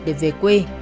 để về quê